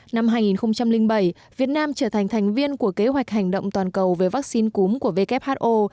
năm hai nghìn bảy việt nam trở thành thành viên của kế hoạch hành động toàn cầu về vaccine cúm của who